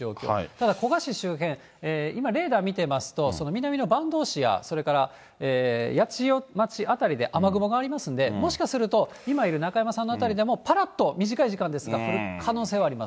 ただ、古河市周辺、今、レーダー見てみますと、その南の坂東市ややちよ町辺りで雨雲がありますんで、もしかすると、今いる中山さんの辺りでも、ぱらっと短い時間ですが、降る可能性はあります。